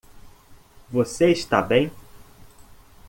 Você está bem?